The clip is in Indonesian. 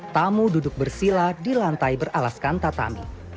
tamu duduk bersila di lantai beralaskan tatami